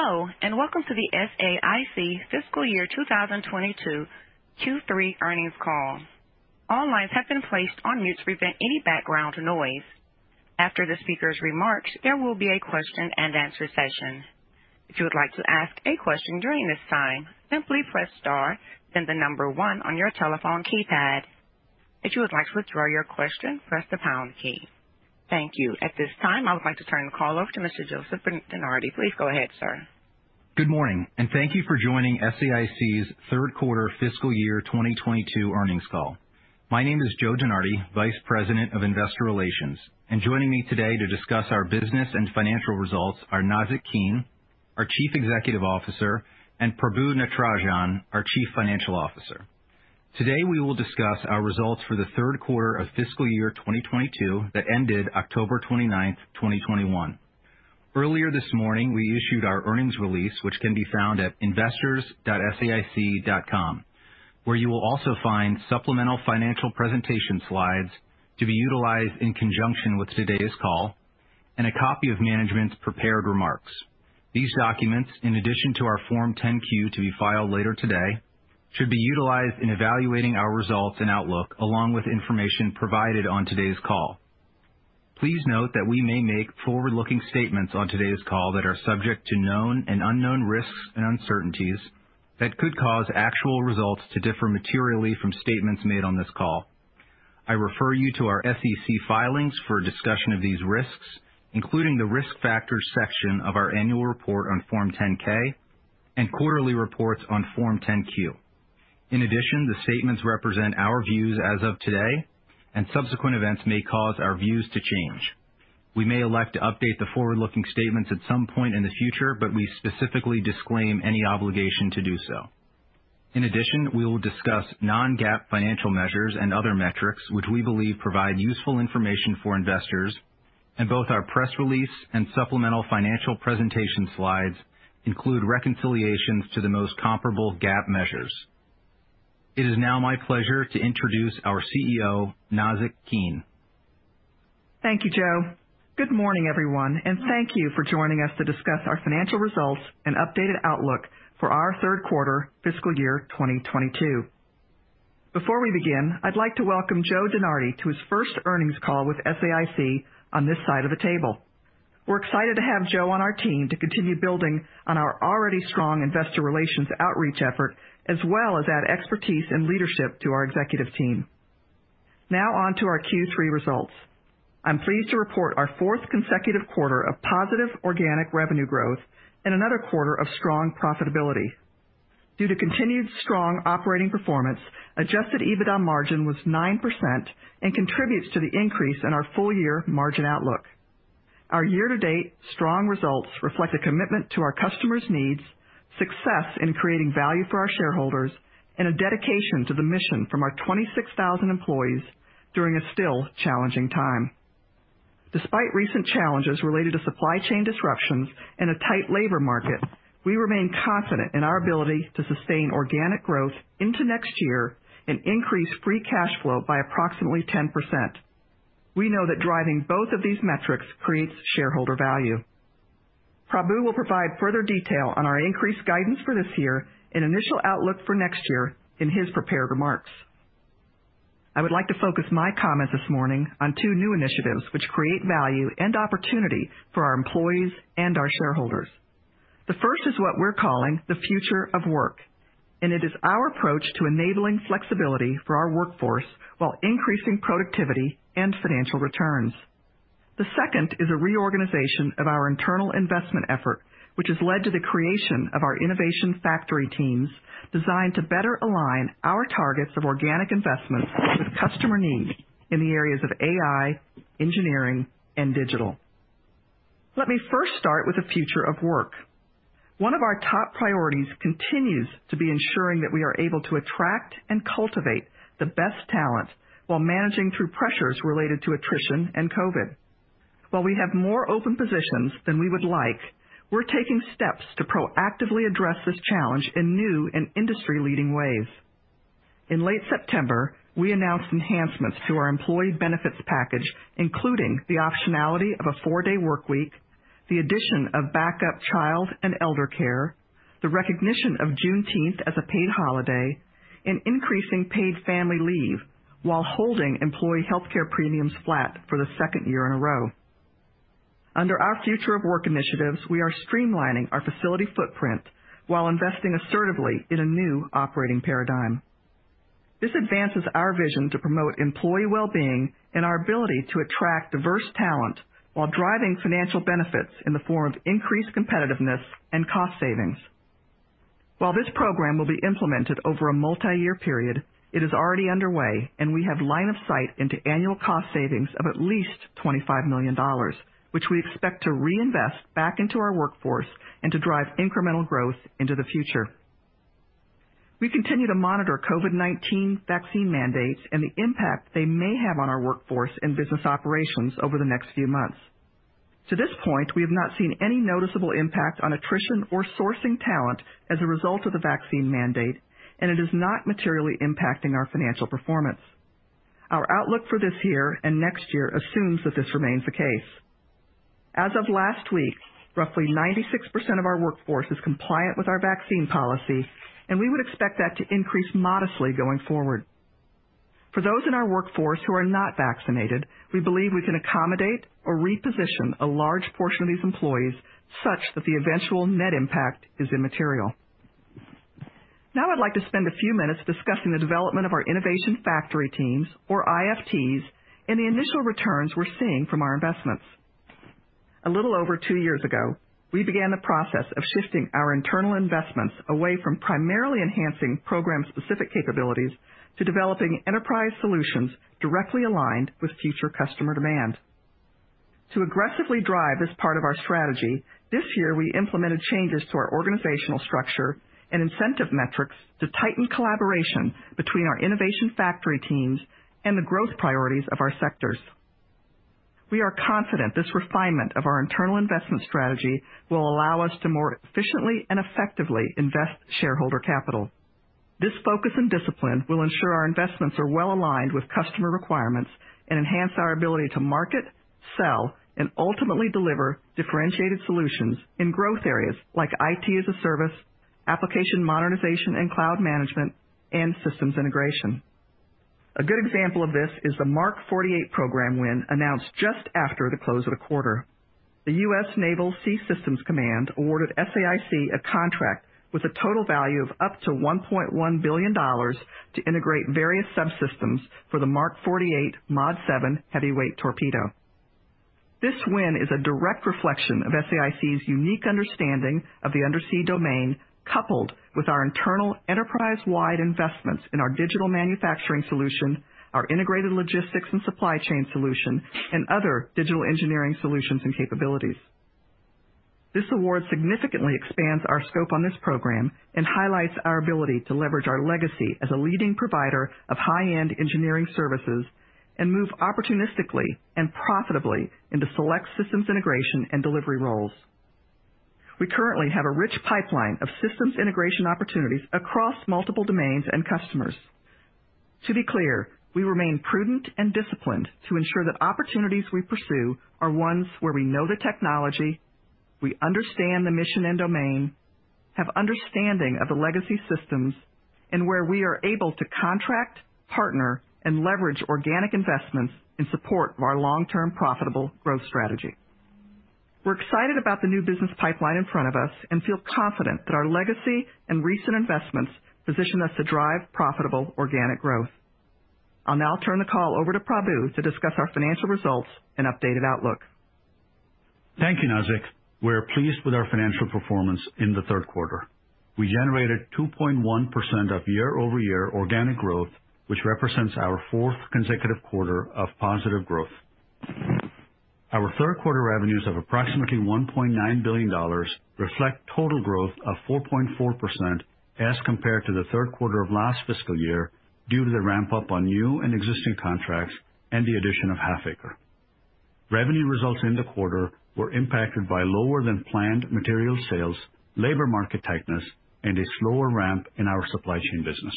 Hello, and welcome to the SAIC fiscal year 2022 Q3 earnings call. All lines have been placed on mute to prevent any background noise. After the speaker's remarks, there will be a question-and-answer session. If you would like to ask a question during this time, simply press star then the number one on your telephone keypad. If you would like to withdraw your question, press the pound key. Thank you. At this time, I would like to turn the call over to Mr. Joseph DeNardi. Please go ahead, sir. Good morning, and thank you for joining SAIC's third quarter fiscal year 2022 earnings call. My name is Joe DeNardi, Vice President of Investor Relations. Joining me today to discuss our business and financial results are Nazzic Keene, our Chief Executive Officer, and Prabu Natarajan, our Chief Financial Officer. Today, we will discuss our results for the third quarter of fiscal year 2022 that ended October 29, 2021. Earlier this morning, we issued our earnings release, which can be found at investors.saic.com, where you will also find supplemental financial presentation slides to be utilized in conjunction with today's call and a copy of management's prepared remarks. These documents, in addition to our Form 10-Q to be filed later today, should be utilized in evaluating our results and outlook along with information provided on today's call. Please note that we may make forward-looking statements on today's call that are subject to known and unknown risks and uncertainties that could cause actual results to differ materially from statements made on this call. I refer you to our SEC filings for a discussion of these risks, including the Risk Factors section of our Annual Report on Form 10-K and quarterly reports on Form 10-Q. In addition, the statements represent our views as of today, and subsequent events may cause our views to change. We may elect to update the forward-looking statements at some point in the future, but we specifically disclaim any obligation to do so. In addition, we will discuss non-GAAP financial measures and other metrics which we believe provide useful information for investors. Both our press release and supplemental financial presentation slides include reconciliations to the most comparable GAAP measures. It is now my pleasure to introduce our CEO, Nazzic Keene. Thank you, Joe. Good morning, everyone, and thank you for joining us to discuss our financial results and updated outlook for our third quarter fiscal year 2022. Before we begin, I'd like to welcome Joe DeNardi to his first earnings call with SAIC on this side of the table. We're excited to have Joe on our team to continue building on our already strong investor relations outreach effort, as well as add expertise and leadership to our executive team. Now on to our Q3 results. I'm pleased to report our fourth consecutive quarter of positive organic revenue growth and another quarter of strong profitability. Due to continued strong operating performance, adjusted EBITDA margin was 9% and contributes to the increase in our full year margin outlook. Our year-to-date strong results reflect a commitment to our customers' needs, success in creating value for our shareholders, and a dedication to the mission from our 26,000 employees during a still challenging time. Despite recent challenges related to supply chain disruptions and a tight labor market, we remain confident in our ability to sustain organic growth into next year and increase free cash flow by approximately 10%. We know that driving both of these metrics creates shareholder value. Prabu will provide further detail on our increased guidance for this year and initial outlook for next year in his prepared remarks. I would like to focus my comments this morning on two new initiatives which create value and opportunity for our employees and our shareholders. The first is what we're calling the Future of Work, and it is our approach to enabling flexibility for our workforce while increasing productivity and financial returns. The second is a reorganization of our internal investment effort, which has led to the creation of our Innovation Factory Teams designed to better align our targets of organic investments with customer needs in the areas of AI, engineering, and digital. Let me first start with the Future of Work. One of our top priorities continues to be ensuring that we are able to attract and cultivate the best talent while managing through pressures related to attrition and COVID. While we have more open positions than we would like, we're taking steps to proactively address this challenge in new and industry-leading ways. In late September, we announced enhancements to our employee benefits package, including the optionality of a four-day workweek, the addition of backup child and elder care, the recognition of Juneteenth as a paid holiday, and increasing paid family leave while holding employee healthcare premiums flat for the second year in a row. Under our Future of Work initiatives, we are streamlining our facility footprint while investing assertively in a new operating paradigm. This advances our vision to promote employee well-being and our ability to attract diverse talent while driving financial benefits in the form of increased competitiveness and cost savings. While this program will be implemented over a multi-year period, it is already underway, and we have line of sight into annual cost savings of at least $25 million, which we expect to reinvest back into our workforce and to drive incremental growth into the future. We continue to monitor COVID-19 vaccine mandates and the impact they may have on our workforce and business operations over the next few months. To this point, we have not seen any noticeable impact on attrition or sourcing talent as a result of the vaccine mandate, and it is not materially impacting our financial performance. Our outlook for this year and next year assumes that this remains the case. As of last week, roughly 96% of our workforce is compliant with our vaccine policy, and we would expect that to increase modestly going forward. For those in our workforce who are not vaccinated, we believe we can accommodate or reposition a large portion of these employees such that the eventual net impact is immaterial. Now I'd like to spend a few minutes discussing the development of our Innovation Factory Teams, or IFTs, and the initial returns we're seeing from our investments. A little over two years ago, we began the process of shifting our internal investments away from primarily enhancing program-specific capabilities to developing enterprise solutions directly aligned with future customer demand. To aggressively drive this part of our strategy, this year, we implemented changes to our organizational structure and incentive metrics to tighten collaboration between our Innovation Factory Teams and the growth priorities of our sectors. We are confident this refinement of our internal investment strategy will allow us to more efficiently and effectively invest shareholder capital. This focus and discipline will ensure our investments are well aligned with customer requirements and enhance our ability to market, sell, and ultimately deliver differentiated solutions in growth areas like IT as a Service, application modernization and cloud management, and systems integration. A good example of this is the Mark 48 program win announced just after the close of the quarter. The U.S. Naval Sea Systems Command awarded SAIC a contract with a total value of up to $1.1 billion to integrate various subsystems for the Mark 48 Mod 7 heavyweight torpedo. This win is a direct reflection of SAIC's unique understanding of the undersea domain, coupled with our internal enterprise-wide investments in our digital manufacturing solution, our integrated logistics and supply chain solution, and other digital engineering solutions and capabilities. This award significantly expands our scope on this program and highlights our ability to leverage our legacy as a leading provider of high-end engineering services and move opportunistically and profitably into select systems integration and delivery roles. We currently have a rich pipeline of systems integration opportunities across multiple domains and customers. To be clear, we remain prudent and disciplined to ensure that opportunities we pursue are ones where we know the technology, we understand the mission and domain, have understanding of the legacy systems, and where we are able to contract, partner, and leverage organic investments in support of our long-term profitable growth strategy. We're excited about the new business pipeline in front of us and feel confident that our legacy and recent investments position us to drive profitable organic growth. I'll now turn the call over to Prabu to discuss our financial results and updated outlook. Thank you, Nazzic. We're pleased with our financial performance in the third quarter. We generated 2.1% year-over-year organic growth, which represents our fourth consecutive quarter of positive growth. Our third quarter revenues of approximately $1.9 billion reflect total growth of 4.4% as compared to the third quarter of last fiscal year due to the ramp-up on new and existing contracts and the addition of Halfaker. Revenue results in the quarter were impacted by lower than planned material sales, labor market tightness, and a slower ramp in our supply chain business.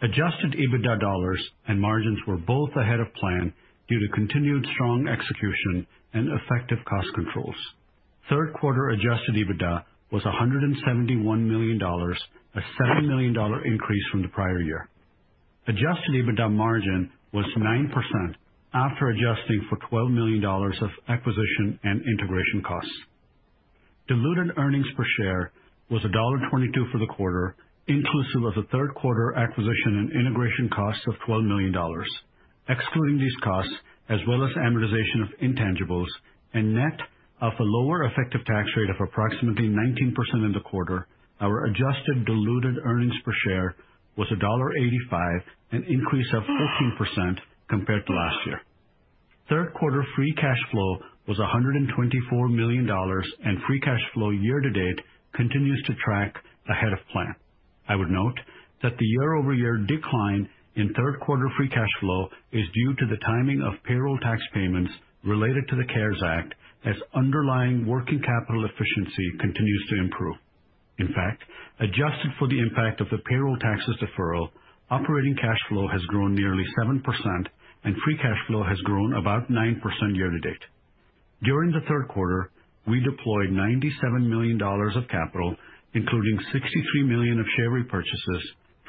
Adjusted EBITDA dollars and margins were both ahead of plan due to continued strong execution and effective cost controls. Third quarter adjusted EBITDA was $171 million, a $70 million increase from the prior year. Adjusted EBITDA margin was 9% after adjusting for $12 million of acquisition and integration costs. Diluted earnings per share was $1.22 for the quarter, inclusive of the third quarter acquisition and integration costs of $12 million. Excluding these costs, as well as amortization of intangibles, and net of a lower effective tax rate of approximately 19% in the quarter, our adjusted diluted earnings per share was $1.85, an increase of 14% compared to last year. Third quarter free cash flow was $124 million, and free cash flow year-to-date continues to track ahead of plan. I would note that the year-over-year decline in third quarter free cash flow is due to the timing of payroll tax payments related to the CARES Act, as underlying working capital efficiency continues to improve. In fact, adjusted for the impact of the payroll taxes deferral, operating cash flow has grown nearly 7% and free cash flow has grown about 9% year to date. During the third quarter, we deployed $97 million of capital, including $63 million of share repurchases,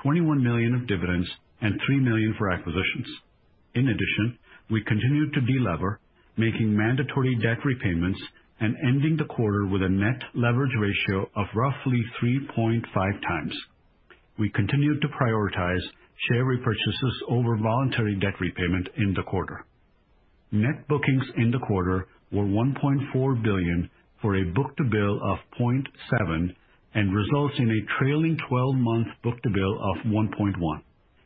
$21 million of dividends, and $3 million for acquisitions. In addition, we continued to de-lever, making mandatory debt repayments and ending the quarter with a net leverage ratio of roughly 3.5 times. We continued to prioritize share repurchases over voluntary debt repayment in the quarter. Net bookings in the quarter were $1.4 billion for a book-to-bill of 0.7 and results in a trailing twelve-month book-to-bill of 1.1.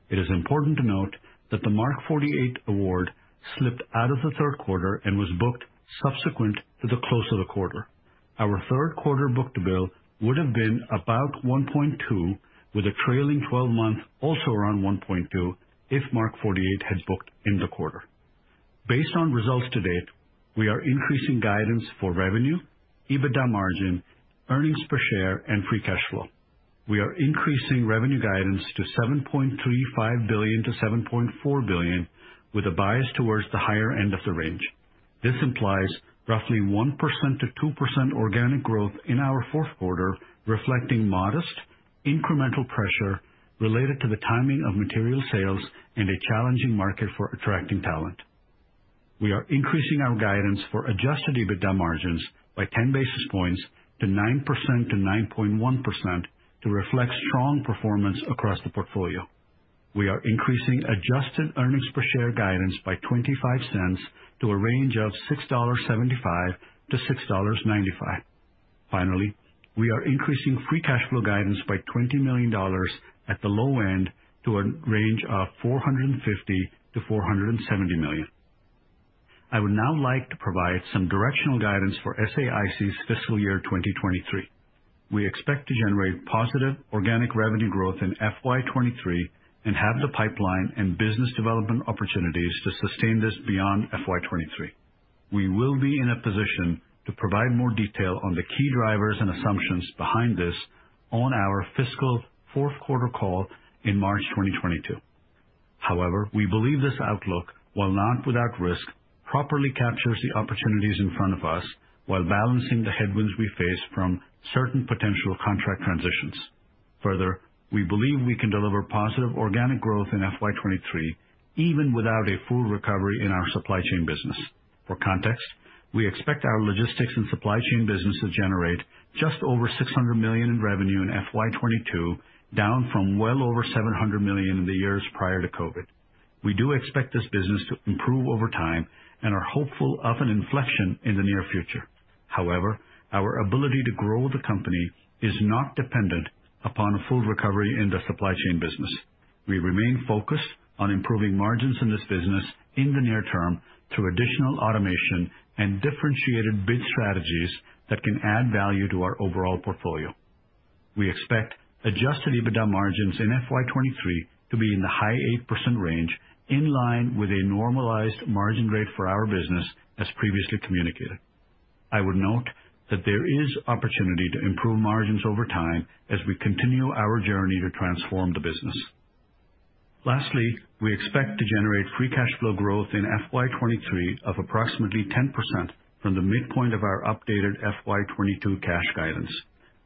It is important to note that the Mark 48 award slipped out of the third quarter and was booked subsequent to the close of the quarter. Our third quarter book-to-bill would have been about 1.2 with a trailing twelve-month also around 1.2 if Mark 48 had booked in the quarter. Based on results to date, we are increasing guidance for revenue, EBITDA margin, earnings per share, and free cash flow. We are increasing revenue guidance to $7.35 billion-$7.4 billion, with a bias towards the higher end of the range. This implies roughly 1%-2% organic growth in our fourth quarter, reflecting modest incremental pressure related to the timing of material sales and a challenging market for attracting talent. We are increasing our guidance for adjusted EBITDA margins by 10 basis points to 9% to 9.1% to reflect strong performance across the portfolio. We are increasing adjusted earnings per share guidance by 25 cents to a range of $6.75 to $6.95. Finally, we are increasing free cash flow guidance by $20 million at the low end to a range of $450 million to $470 million. I would now like to provide some directional guidance for SAIC's fiscal year 2023. We expect to generate positive organic revenue growth in FY 2023 and have the pipeline and business development opportunities to sustain this beyond FY 2023. We will be in a position to provide more detail on the key drivers and assumptions behind this on our fiscal fourth quarter call in March 2022. However, we believe this outlook, while not without risk, properly captures the opportunities in front of us while balancing the headwinds we face from certain potential contract transitions. Further, we believe we can deliver positive organic growth in FY 2023, even without a full recovery in our supply chain business. For context, we expect our logistics and supply chain business to generate just over $600 million in revenue in FY 2022, down from well over $700 million in the years prior to COVID. We do expect this business to improve over time and are hopeful of an inflection in the near future. However, our ability to grow the company is not dependent upon a full recovery in the supply chain business. We remain focused on improving margins in this business in the near term through additional automation and differentiated bid strategies that can add value to our overall portfolio. We expect adjusted EBITDA margins in FY 2023 to be in the high 8% range, in line with a normalized margin rate for our business as previously communicated. I would note that there is opportunity to improve margins over time as we continue our journey to transform the business. Lastly, we expect to generate free cash flow growth in FY 2023 of approximately 10% from the midpoint of our updated FY 2022 cash guidance.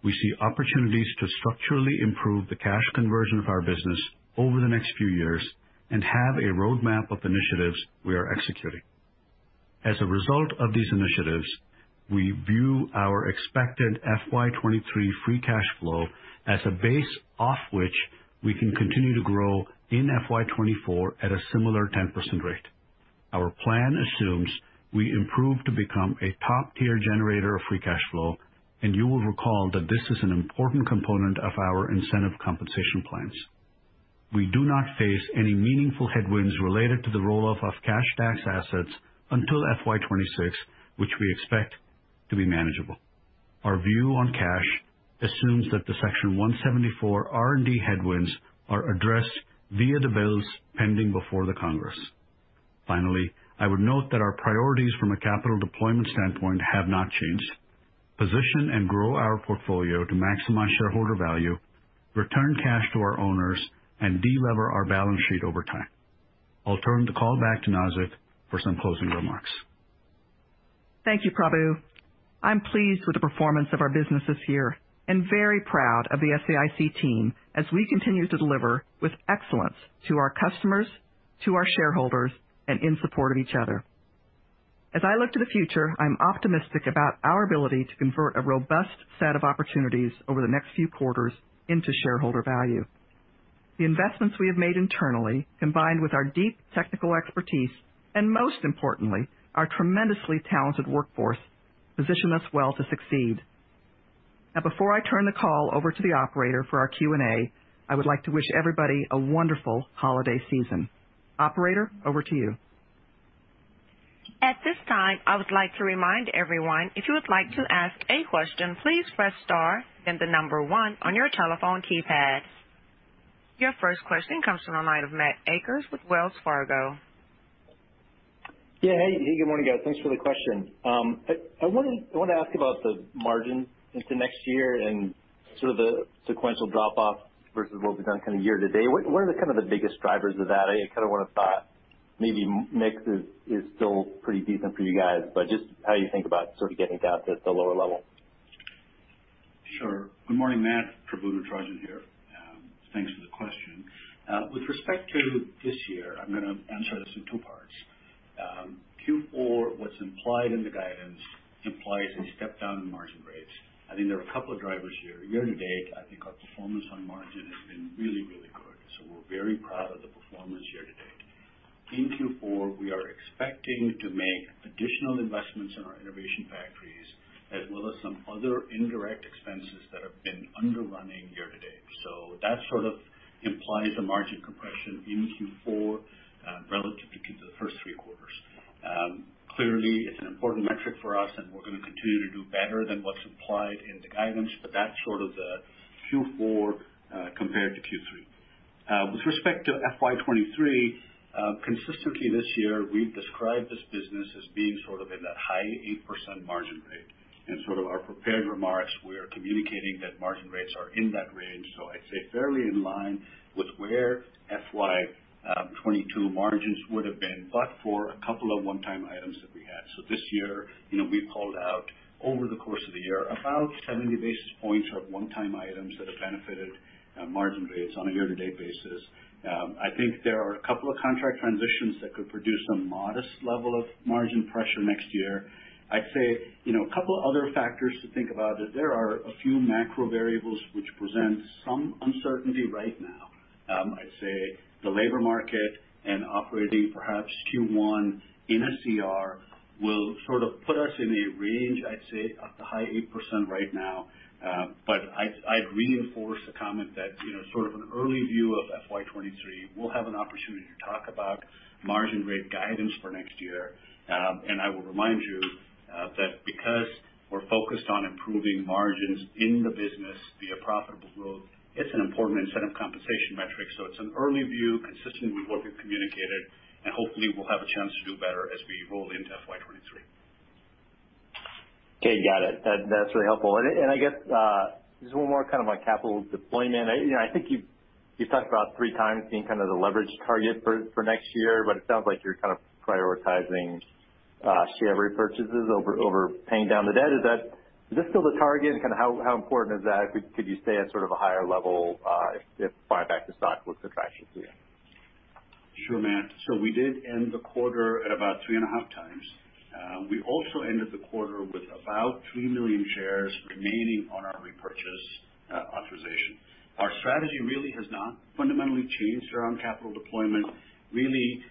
We see opportunities to structurally improve the cash conversion of our business over the next few years and have a roadmap of initiatives we are executing. As a result of these initiatives, we view our expected FY 2023 free cash flow as a base off which we can continue to grow in FY 2024 at a similar 10% rate. Our plan assumes we improve to become a top-tier generator of free cash flow, and you will recall that this is an important component of our incentive compensation plans. We do not face any meaningful headwinds related to the roll-off of cash tax assets until FY 2026, which we expect to be manageable. Our view on cash assumes that the Section 174 R&D headwinds are addressed via the bills pending before the Congress. Finally, I would note that our priorities from a capital deployment standpoint have not changed. Position and grow our portfolio to maximize shareholder value, return cash to our owners, and de-lever our balance sheet over time. I'll turn the call back to Nazzic for some closing remarks. Thank you, Prabu. I'm pleased with the performance of our business this year and very proud of the SAIC team as we continue to deliver with excellence to our customers, to our shareholders, and in support of each other. As I look to the future, I'm optimistic about our ability to convert a robust set of opportunities over the next few quarters into shareholder value. The investments we have made internally, combined with our deep technical expertise, and most importantly, our tremendously talented workforce, position us well to succeed. Now, before I turn the call over to the operator for our Q&A, I would like to wish everybody a wonderful holiday season. Operator, over to you. At this time, I would like to remind everyone, if you would like to ask a question, please press star, then the number one on your telephone keypad. Your first question comes from the line of Matt Akers with Wells Fargo. Yeah. Hey, good morning, guys. Thanks for the question. I want to ask about the margin into next year and sort of the sequential drop off versus what we've done kind of year to date. What are the biggest drivers of that? I kind of want to think maybe mix is still pretty decent for you guys, but just how you think about sort of getting down to the lower level. Sure. Good morning, Matt. Prabu Natarajan here. Thanks for the question. With respect to this year, I'm gonna answer this in two parts. Q4, what's implied in the guidance implies a step down in margin rates. I think there are a couple of drivers here. Year to date, I think our performance on margin has been really, really good. We're very proud of the performance year to date. In Q4, we are expecting to make additional investments in our Innovation Factories, as well as some other indirect expenses that have been underrunning year to date. That sort of implies a margin compression in Q4, relative to the first three quarters. Clearly, it's an important metric for us, and we're gonna continue to do better than what's implied in the guidance, but that's sort of the Q4 compared to Q3. With respect to FY 2023, consistently this year, we've described this business as being sort of in that high 8% margin rate. In sort of our prepared remarks, we are communicating that margin rates are in that range. I'd say fairly in line with where FY 2022 margins would have been, but for a couple of one-time items that we had. This year, you know, we called out over the course of the year, about 70 basis points of one-time items that have benefited margin rates on a year-to-date basis. I think there are a couple of contract transitions that could produce a modest level of margin pressure next year. I'd say, you know, a couple other factors to think about is there are a few macro variables which present some uncertainty right now. I'd say the labor market and operating perhaps Q1 in CR will sort of put us in a range, I'd say, up to high 8% right now. I'd reinforce a comment that, you know, sort of an early view of FY 2023, we'll have an opportunity to talk about margin rate guidance for next year. I will remind you, that because we're focused on improving margins in the business via profitable growth, it's an important incentive compensation metric. It's an early view consistent with what we've communicated, and hopefully we'll have a chance to do better as we roll into FY 2023. Okay, got it. That's really helpful. I guess just one more kind of on capital deployment. You know, I think you've talked about three times being kind of the leverage target for next year, but it sounds like you're kind of prioritizing share repurchases over paying down the debt. Is that? Is this still the target? Kinda how important is that? Could you stay at sort of a higher level, if buyback of stock looks attractive to you? Sure, Matt. We did end the quarter at about 3.5 times. We also ended the quarter with about 3 million shares remaining on our repurchase authorization. Our strategy really has not fundamentally changed around capital deployment. Really,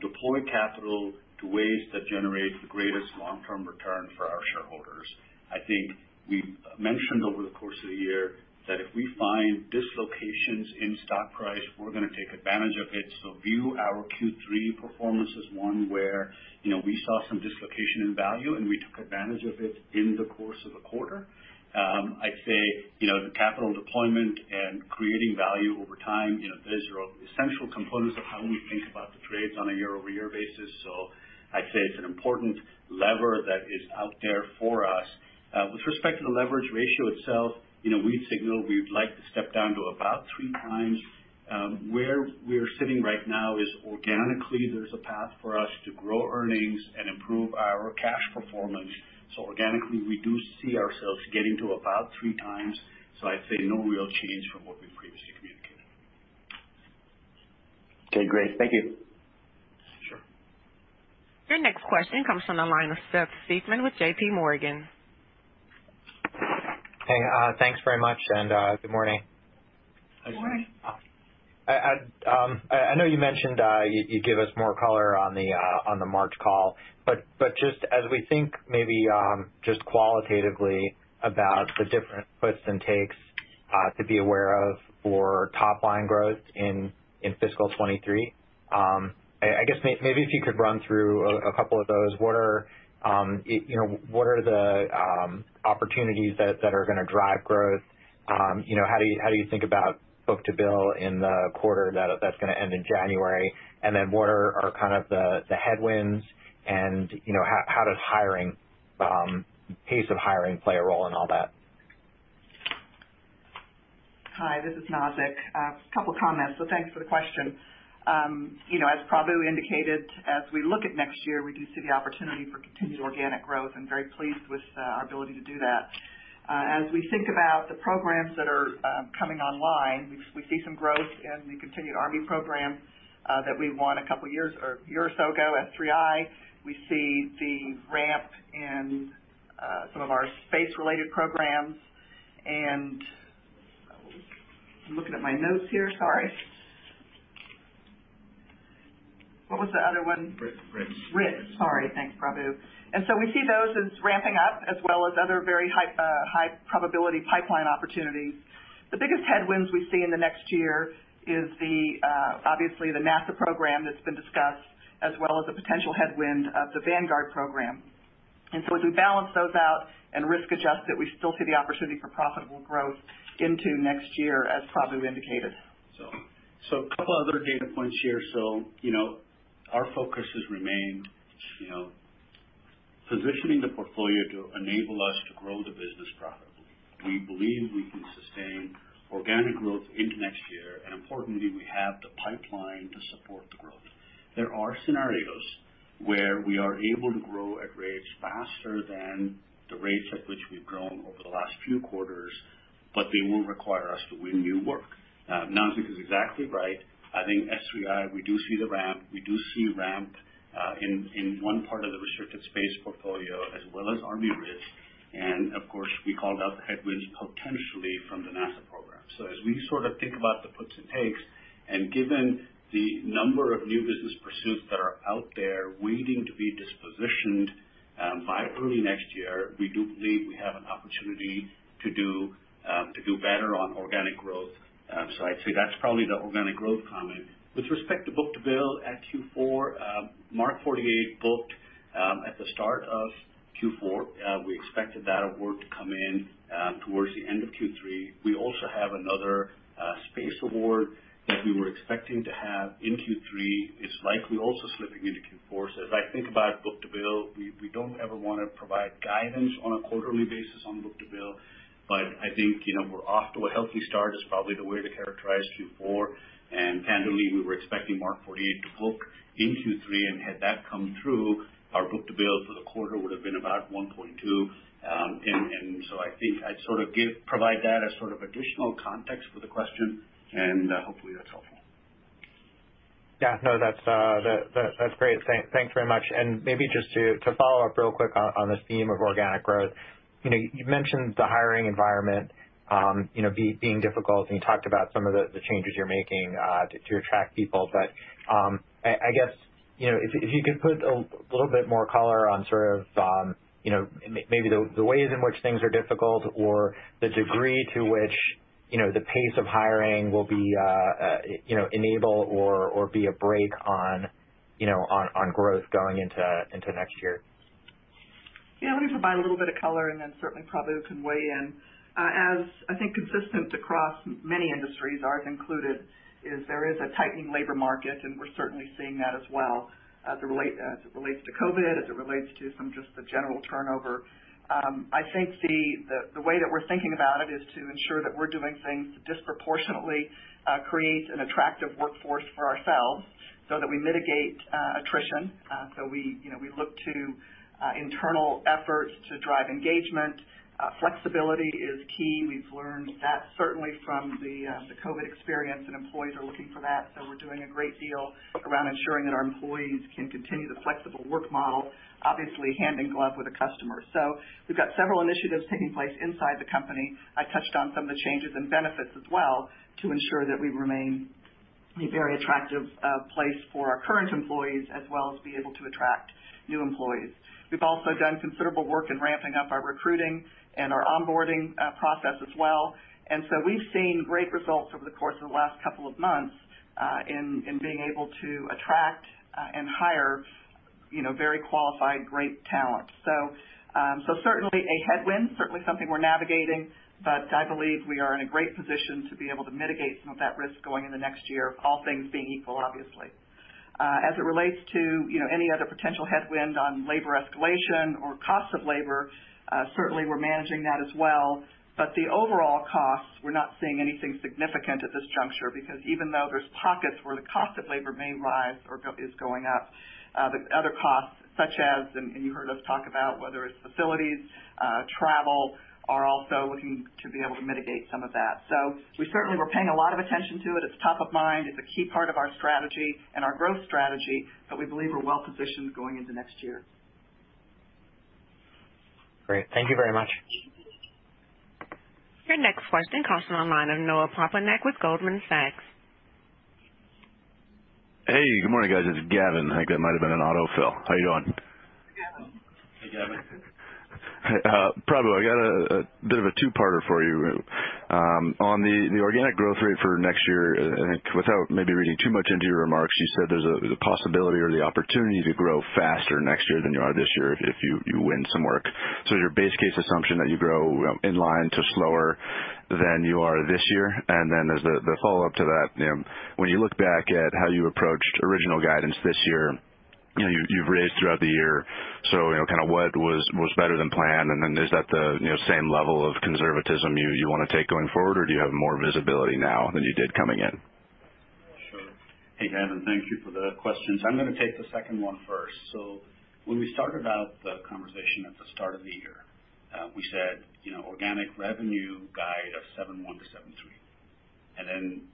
deploy capital to ways that generate the greatest long-term return for our shareholders. I think we've mentioned over the course of the year that if we find dislocations in stock price, we're gonna take advantage of it. View our Q3 performance as one where, you know, we saw some dislocation in value, and we took advantage of it in the course of the quarter. I'd say, you know, the capital deployment and creating value over time, you know, those are all essential components of how we think about the trades on a year-over-year basis. I'd say it's an important lever that is out there for us. With respect to the leverage ratio itself, you know, we've signaled we'd like to step down to about 3x. Where we're sitting right now is organically there's a path for us to grow earnings and improve our cash performance. Organically, we do see ourselves getting to about 3x. I'd say no real change from what we've previously communicated. Okay, great. Thank you. Sure. Your next question comes from the line of Seth Seifman with JP Morgan. Hey, thanks very much and, good morning. Good morning. I know you mentioned you'd give us more color on the March call, but just as we think maybe just qualitatively about the different puts and takes to be aware of for top-line growth in fiscal 2023, I guess maybe if you could run through a couple of those. What are, you know, what are the opportunities that are gonna drive growth? You know, how do you think about book-to-bill in the quarter that's gonna end in January? And then what are kind of the headwinds and, you know, how does hiring pace of hiring play a role in all that? Hi, this is Nazzic. A couple of comments. Thanks for the question. You know, as Prabu indicated, as we look at next year, we do see the opportunity for continued organic growth and very pleased with our ability to do that. As we think about the programs that are coming online, we see some growth in the continued Army program that we won a couple of years or a year or so ago, S3I. We see the ramp in some of our space-related programs. I'm looking at my notes here. Sorry. What was the other one? RIS. RIS. Sorry. Thanks, Prabu. We see those as ramping up as well as other very high, high probability pipeline opportunities. The biggest headwinds we see in the next year is the, obviously the NASA program that's been discussed, as well as the potential headwind of the Vanguard program. We balance those out and risk adjust it, we still see the opportunity for profitable growth into next year, as Prabu indicated. A couple of other data points here. You know, our focus has remained, you know, positioning the portfolio to enable us to grow the business profitably. We believe we can sustain organic growth into next year, and importantly, we have the pipeline to support the growth. There are scenarios where we are able to grow at rates faster than the rates at which we've grown over the last few quarters, but they will require us to win new work. Nazzic is exactly right. I think S3I, we do see the ramp in one part of the restricted space portfolio as well as Army RIS. Of course, we called out the headwinds potentially from the NASA program. As we sort of think about the puts and takes and given the number of new business pursuits that are out there waiting to be dispositioned by early next year, we do believe we have an opportunity to do better on organic growth. I'd say that's probably the organic growth comment. With respect to book-to-bill at Q4, Mark 48, at the start of Q4, we expected that award to come in towards the end of Q3. We also have another space award that we were expecting to have in Q3. It's likely also slipping into Q4. As I think about book-to-bill, we don't ever wanna provide guidance on a quarterly basis on book-to-bill, but I think, you know, we're off to a healthy start is probably the way to characterize Q4. Candidly, we were expecting Mark 48 to book in Q3, and had that come through, our book-to-bill for the quarter would have been about 1.2. I think I'd sort of provide that as sort of additional context for the question, and hopefully that's helpful. Yeah, no, that's great. Thanks very much. Maybe just to follow up real quick on this theme of organic growth. You know, you mentioned the hiring environment, you know, being difficult, and you talked about some of the changes you're making to attract people. But I guess, you know, if you could put a little bit more color on sort of, you know, maybe the ways in which things are difficult or the degree to which, you know, the pace of hiring will be, you know, enable or be a brake on, you know, on growth going into next year. Yeah. Let me provide a little bit of color, and then certainly Prabu can weigh in. As I think consistent across many industries, ours included, is a tightening labor market, and we're certainly seeing that as well, as it relates to COVID, as it relates to some just the general turnover. I think the way that we're thinking about it is to ensure that we're doing things to disproportionately create an attractive workforce for ourselves so that we mitigate attrition. We you know we look to internal efforts to drive engagement. Flexibility is key. We've learned that certainly from the COVID experience, and employees are looking for that. We're doing a great deal around ensuring that our employees can continue the flexible work model, obviously hand in glove with the customer. We've got several initiatives taking place inside the company. I touched on some of the changes in benefits as well to ensure that we remain a very attractive place for our current employees, as well as be able to attract new employees. We've also done considerable work in ramping up our recruiting and our onboarding process as well. We've seen great results over the course of the last couple of months in being able to attract and hire, you know, very qualified, great talent. Certainly a headwind, certainly something we're navigating, but I believe we are in a great position to be able to mitigate some of that risk going in the next year, all things being equal, obviously. As it relates to, you know, any other potential headwind on labor escalation or cost of labor, certainly we're managing that as well. The overall costs, we're not seeing anything significant at this juncture because even though there's pockets where the cost of labor may rise or it's going up, the other costs such as you heard us talk about whether it's facilities, travel, are also looking to be able to mitigate some of that. We're certainly paying a lot of attention to it. It's top of mind. It's a key part of our strategy and our growth strategy, but we believe we're well positioned going into next year. Great. Thank you very much. Your next question comes from the line of Noah Poponak with Goldman Sachs. Hey, good morning, guys. It's Gavin. I think that might have been an auto fill. How you doing? Hey, Gavin. Hey, Gavin. Prabu, I got a bit of a two-parter for you. On the organic growth rate for next year, I think without maybe reading too much into your remarks, you said there's a possibility or the opportunity to grow faster next year than you are this year if you win some work. Your base case assumption that you grow in line or slower than you are this year. As the follow-up to that, you know, when you look back at how you approached original guidance this year, you know, you've raised throughout the year, so you know, kind of what was better than planned? Is that the same level of conservatism you wanna take going forward, or do you have more visibility now than you did coming in? Sure. Hey, Gavin. Thank you for the questions. I'm gonna take the second one first. When we started out the conversation at the start of the year, we said, you know, organic revenue guide of 7.1% to 7.3%. Then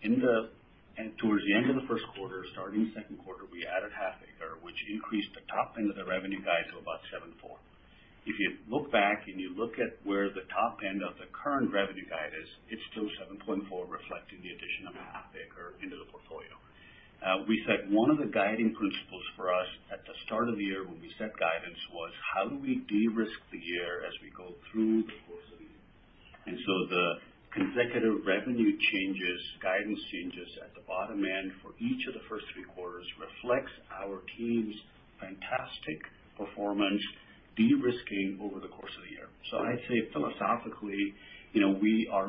towards the end of the first quarter, starting the second quarter, we added Halfaker, which increased the top end of the revenue guide to about 7.4%. If you look back and you look at where the top end of the current revenue guide is, it's still 7.4%, reflecting the addition of Halfaker into the portfolio. We said one of the guiding principles for us at the start of the year when we set guidance was how do we de-risk the year as we go through the course of the year? The consecutive revenue changes, guidance changes at the bottom end for each of the first three quarters reflects our team's fantastic performance de-risking over the course of the year. I'd say philosophically, you know, we are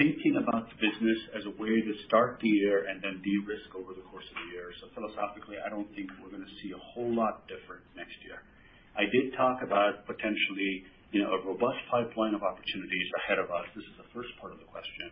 thinking about the business as a way to start the year and then de-risk over the course of the year. Philosophically, I don't think we're gonna see a whole lot different next year. I did talk about potentially, you know, a robust pipeline of opportunities ahead of us. This is the first part of the question,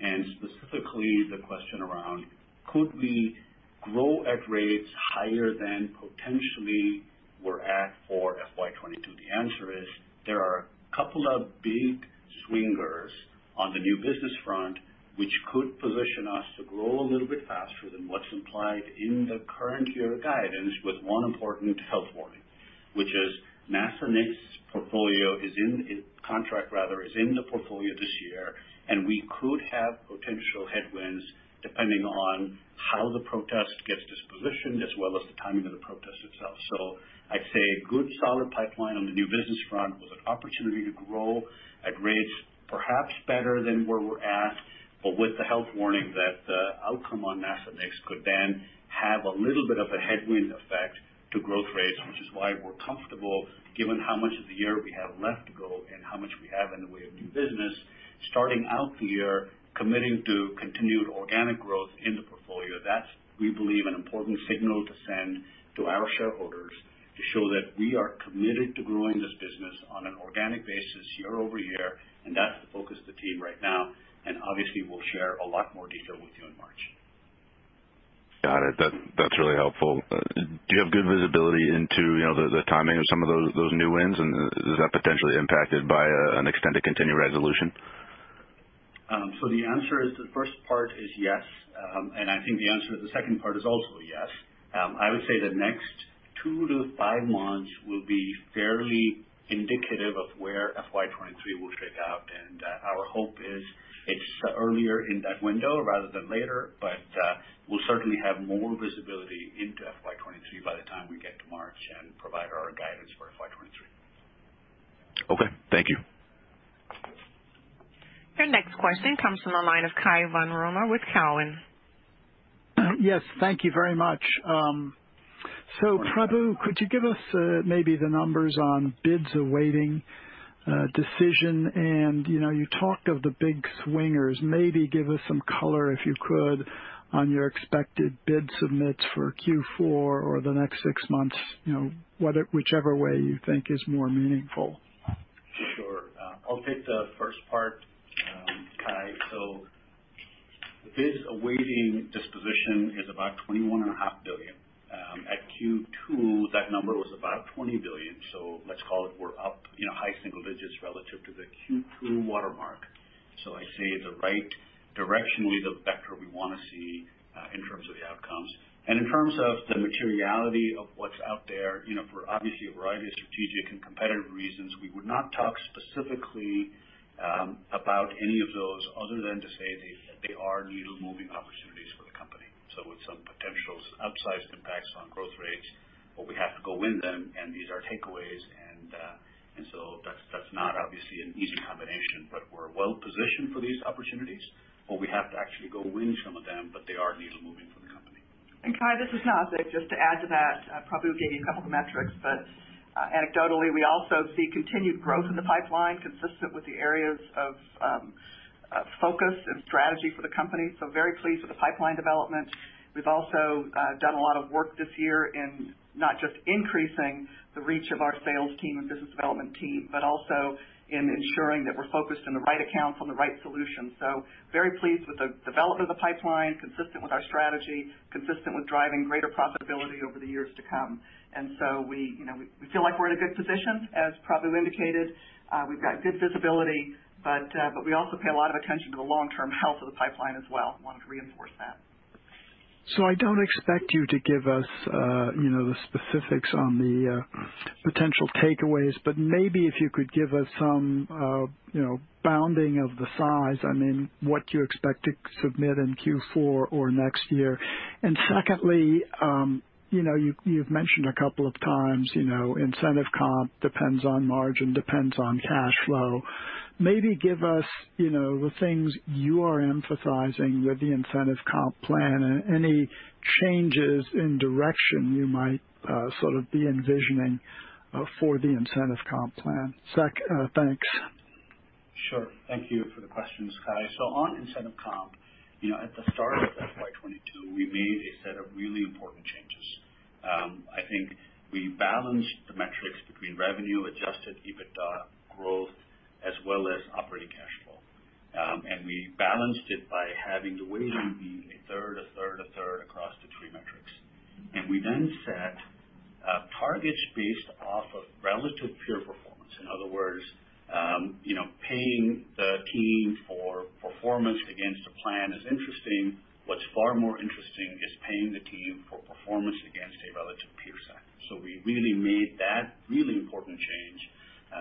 and specifically the question around could we grow at rates higher than potentially we're at for FY 2022? The answer is there are a couple of big swingers on the new business front, which could position us to grow a little bit faster than what's implied in the current year guidance, with one important health warning, which is NASA NEACC portfolio is in contract rather is in the portfolio this year, and we could have potential headwinds depending on how the protest gets dispositioned as well as the timing of the protest itself. I'd say a good, solid pipeline on the new business front with an opportunity to grow at rates perhaps better than where we're at, but with the health warning that the outcome on NASA NEACC could then have a little bit of a headwind effect to growth rates, which is why we're comfortable given how much of the year we have left to go and how much we have in the way of new business starting out the year committing to continued organic growth in the portfolio. That's, we believe, an important signal to send to our shareholders to show that we are committed to growing this business on an organic basis year-over-year, and that's the focus of the team right now. Obviously, we'll share a lot more detail with you in March. Got it. That's really helpful. Do you have good visibility into, you know, the timing of some of those new wins? Is that potentially impacted by an extended continuing resolution? The answer is the first part is yes. I think the answer to the second part is also yes. I would say the next 2-5 months will be fairly indicative of where FY 2023 will shake out, and our hope is it's earlier in that window rather than later. We'll certainly have more visibility into FY 2023 by the time we get to March and provide our guidance for FY 2023. Okay. Thank you. Your next question comes from the line of Cai von Rumohr with Cowen. Yes, thank you very much. Prabu, could you give us maybe the numbers on bids awaiting decision? You know, you talked of the big swingers. Maybe give us some color, if you could, on your expected bid submissions for Q4 or the next six months, you know, whether whichever way you think is more meaningful. Sure. I'll take the first part, Cai. Bids awaiting disposition is about $21.5 billion. At Q2, that number was about $20 billion. Let's call it, we're up, you know, high single digits relative to the Q2 watermark. I say the right direction, the vector we wanna see in terms of the outcomes. In terms of the materiality of what's out there, you know, for obviously a variety of strategic and competitive reasons, we would not talk specifically about any of those other than to say they are needle-moving opportunities for the company. With some potential upside impacts on growth rates, but we have to go win them, and these are takeaways. That's not obviously an easy combination, but we're well positioned for these opportunities, but we have to actually go win some of them, but they are needle-moving for the company. Cai, this is Nazzic. Just to add to that, Prabu gave you a couple of metrics, but anecdotally, we also see continued growth in the pipeline consistent with the areas of focus and strategy for the company. Very pleased with the pipeline development. We've also done a lot of work this year in not just increasing the reach of our sales team and business development team, but also in ensuring that we're focused on the right accounts on the right solutions. Very pleased with the development of the pipeline, consistent with our strategy, consistent with driving greater profitability over the years to come. We, you know, feel like we're in a good position. As Prabu indicated, we've got good visibility, but we also pay a lot of attention to the long-term health of the pipeline as well. I wanted to reinforce that. I don't expect you to give us, you know, the specifics on the potential takeaways, but maybe if you could give us some, you know, bounding of the size. I mean, what you expect to submit in Q4 or next year. Secondly, you know, you've mentioned a couple of times, you know, incentive comp depends on margin, depends on cash flow. Maybe give us, you know, the things you are emphasizing with the incentive comp plan and any changes in direction you might sort of be envisioning for the incentive comp plan. Thanks. Sure. Thank you for the questions, Cai. On incentive comp, you know, at the start of FY 2022, we made a set of really important changes. I think we balanced the metrics between revenue, adjusted EBITDA growth, as well as operating cash flow. We balanced it by having the weighting be a third, a third, a third across the three metrics. We then set targets based off of relative peer performance. In other words, you know, paying the team for performance against a plan is interesting. What's far more interesting is paying the team for performance against a relative peer set. We really made that really important change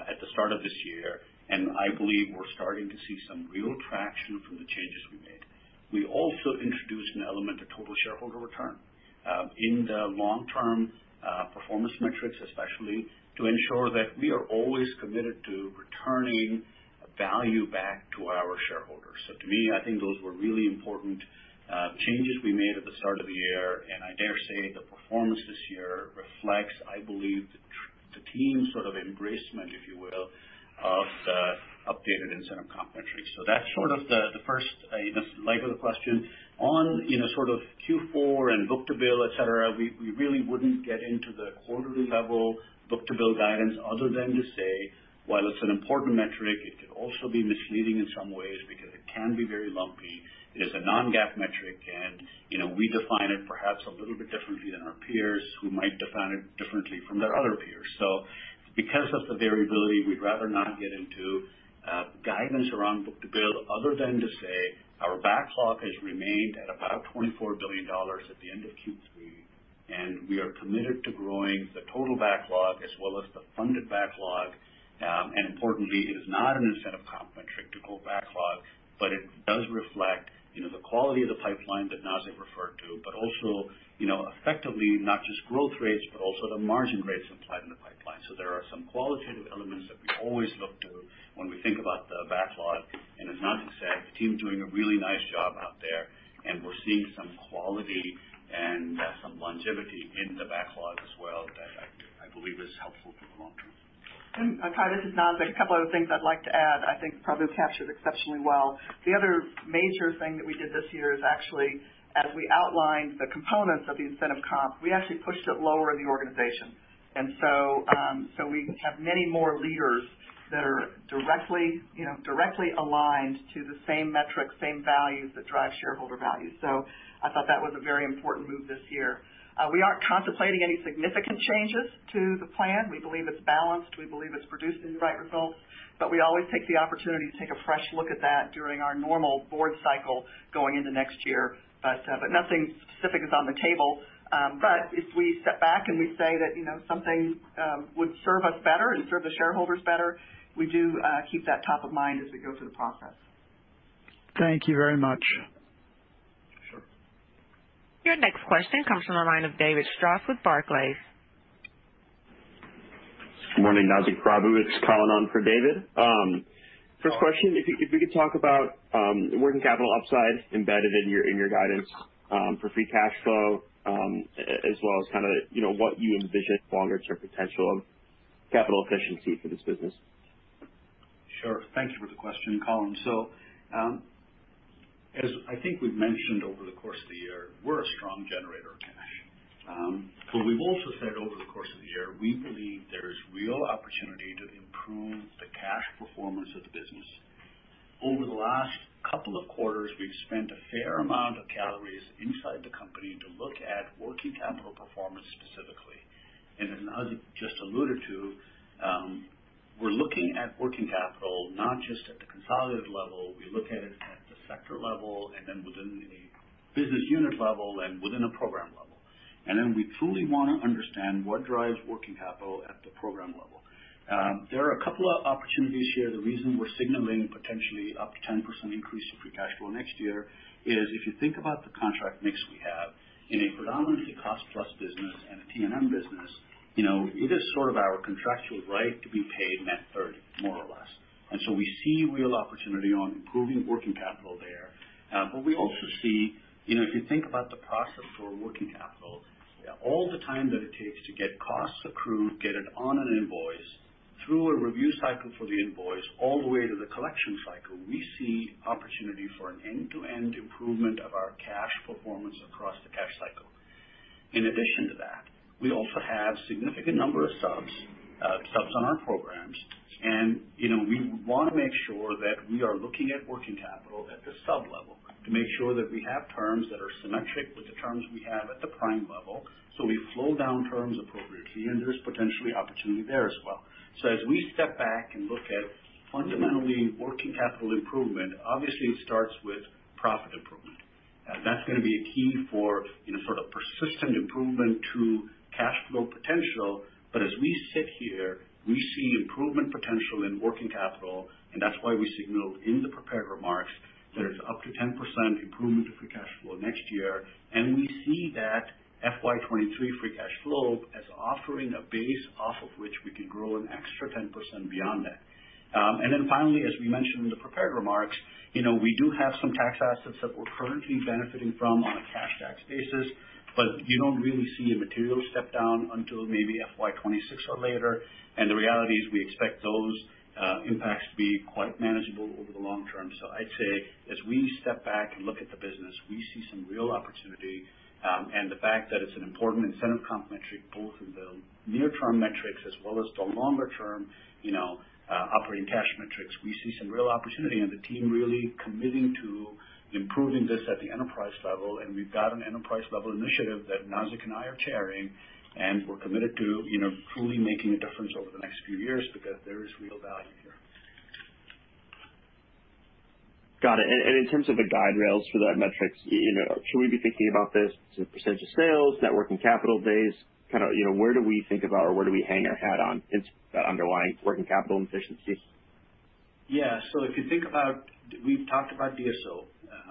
at the start of this year, and I believe we're starting to see some real traction from the changes we made. We also introduced an element of total shareholder return in the long-term performance metrics, especially to ensure that we are always committed to returning value back to our shareholders. To me, I think those were really important changes we made at the start of the year, and I dare say the performance this year reflects, I believe, the team's sort of embracement, if you will, of the updated incentive comp metrics. That's sort of the first, you know, leg of the question. On, you know, sort of Q4 and book-to-bill, et cetera, we really wouldn't get into the quarterly level book-to-bill guidance other than to say, while it's an important metric, it can also be misleading in some ways because it can be very lumpy. It is a non-GAAP metric and, you know, we define it perhaps a little bit differently than our peers who might define it differently from their other peers. Because of the variability, we'd rather not get into guidance around book-to-bill other than to say our backlog has remained at about $24 billion at the end of Q3, and we are committed to growing the total backlog as well as the funded backlog. Importantly, it is not an incentive comp metric to grow backlog, but it does reflect, you know, the quality of the pipeline that Nazzic referred to. Also, you know, effectively not just growth rates, but also the margin rates implied in the pipeline. There are some qualitative elements that we always look to when we think about the backlog. As Nazzic said, the team's doing a really nice job out there, and we're seeing some quality and some longevity in the backlog as well that I believe is helpful for the long term. Cai, this is Nazzic. A couple other things I'd like to add. I think Prabu captured exceptionally well. The other major thing that we did this year is actually, as we outlined the components of the incentive comp, we actually pushed it lower in the organization. We have many more leaders that are directly, you know, aligned to the same metrics, same values that drive shareholder value. I thought that was a very important move this year. We aren't contemplating any significant changes to the plan. We believe it's balanced. We believe it's producing the right results. We always take the opportunity to take a fresh look at that during our normal board cycle going into next year. Nothing specific is on the table. If we step back and we say that, you know, something would serve us better and serve the shareholders better, we do keep that top of mind as we go through the process. Thank you very much. Sure. Your next question comes from the line of David Strauss with Barclays. Good morning, Nazzic, Prabu. It's Colin on for David. First question, if we could talk about working capital upside embedded in your guidance for free cash flow, as well as kind of, you know, what you envision longer term potential of capital efficiency for this business. Sure. Thank you for the question, Colin. As I think we've mentioned over the course of the year, we're a strong generator of cash. We've also said over the course of the year, we believe there is real opportunity to improve the cash performance of the business. Over the last couple of quarters, we've spent a fair amount of calories inside the company to look at working capital performance specifically. As Nazzic just alluded to, we're looking at working capital, not just at the consolidated level. We look at it at the sector level and then within the business unit level and within a program level. We truly wanna understand what drives working capital at the program level. There are a couple of opportunities here. The reason we're signaling potentially up to 10% increase in free cash flow next year is if you think about the contract mix we have in a predominantly cost plus business and a T&M business, you know, it is sort of our contractual right to be paid net thirty more or less. We see real opportunity on improving working capital there. We also see, you know, if you think about the process for working capital, all the time that it takes to get costs accrued, get it on an invoice through a review cycle for the invoice, all the way to the collection cycle, we see opportunity for an end-to-end improvement of our cash performance across the cash cycle. In addition to that, we also have significant number of subs on our programs. You know, we want to make sure that we are looking at working capital at the sub level to make sure that we have terms that are symmetric with the terms we have at the prime level. We slow down terms appropriately, and there is potentially opportunity there as well. As we step back and look at fundamentally working capital improvement, obviously it starts with profit improvement. That's going to be a key for, you know, sort of persistent improvement to cash flow potential. As we sit here, we see improvement potential in working capital, and that's why we signaled in the prepared remarks there is up to 10% improvement of free cash flow next year. We see that FY 2023 free cash flow as offering a base off of which we can grow an extra 10% beyond that. Finally, as we mentioned in the prepared remarks, you know, we do have some tax assets that we're currently benefiting from on a cash tax basis, but you don't really see a material step down until maybe FY 2026 or later. The reality is we expect those impacts to be quite manageable over the long term. I'd say as we step back and look at the business, we see some real opportunity. The fact that it's an important incentive comp metric, both in the near term metrics as well as the longer term, you know, operating cash metrics. We see some real opportunity and the team really committing to improving this at the enterprise level. We've got an enterprise level initiative that Nazzic and I are chairing, and we're committed to, you know, truly making a difference over the next few years because there is real value here. Got it. In terms of the guide rails for that metrics, you know, should we be thinking about this as a percentage of sales, net working capital days? Kind of, you know, where do we think about or where do we hang our hat on in SAIC's underlying working capital efficiency? Yeah. If you think about, we've talked about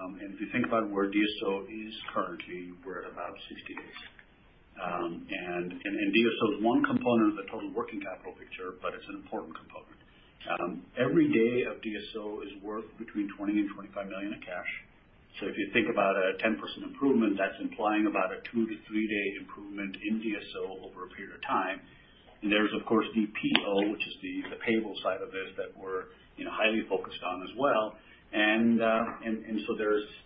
DSO. If you think about where DSO is currently, we're at about 60 days. DSO is one component of the total working capital picture, but it's an important component. Every day of DSO is worth between $20 million-$25 million in cash. If you think about a 10% improvement, that's implying about a 2-3-day improvement in DSO over a period of time. There's of course the PO, which is the payable side of this that we're, you know, highly focused on as well.